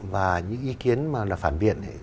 và những ý kiến phản biệt